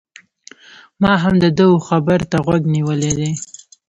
ما هم د ده و خبرو ته غوږ نيولی دی